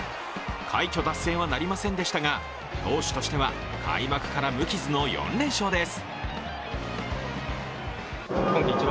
快挙達成はなりませんでしたが投手としては開幕から無傷の４連勝です。